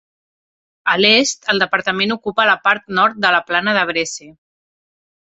A l'est, el departament ocupa la part nord de la plana de Bresse.